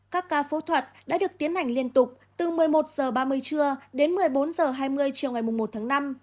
các ca phẫu thuật đã được tiến hành liên tục từ một mươi một h ba mươi trưa đến một mươi bốn h hai mươi chiều ngày một tháng năm